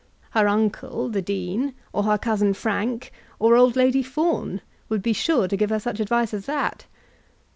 Her uncle the dean, or her cousin Frank, or old Lady Fawn, would be sure to give her such advice as that.